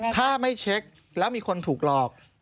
ถ้าไม่เช็คแล้วมีคนถูกหลอก